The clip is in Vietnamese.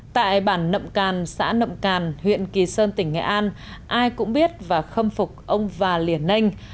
tại bản nậm càn xã nậm càn huyện kỳ sơn tỉnh nghệ an ai cũng biết và khâm phục ông và liền nênh